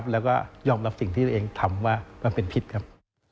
แล้วก็ยอมรับสิ่งที่ตัวเองทำว่ามันเป็นพิษครับ